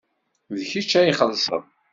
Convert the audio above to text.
D kečč ad ixellṣen.